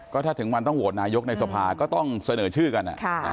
ก็ถ้าถึงวันต้องโหวตนายกในสภาก็ต้องเสนอชื่อกัน